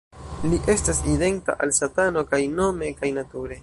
Li estas identa al Satano kaj nome kaj nature.